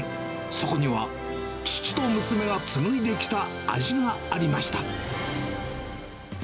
そこには、父と娘が紡いできた味がありました。